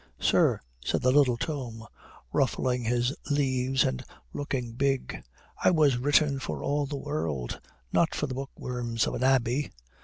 "Sir," said the little tome, ruffling his leaves and looking big, "I was written for all the world, not for the bookworms of an abbey.